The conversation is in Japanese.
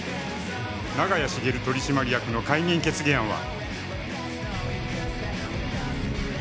長屋茂取締役の解任決議案は。